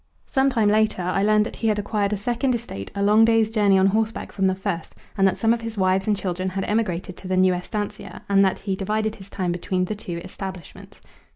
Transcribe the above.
Some time later I heard that he had acquired a second estate a long day's journey on horseback from the first, and that some of his wives and children had emigrated to the new esctancia and that he divided his time between the two establishments.